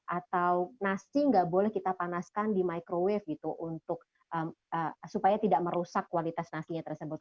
atau nasi nggak boleh kita panaskan di microwave gitu supaya tidak merusak kualitas nasinya tersebut